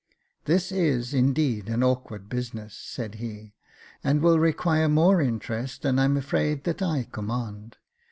This is, indeed, an awkward business," said he, " and will require more interest than I am afraid that I command.